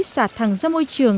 xả thẳng ra môi trường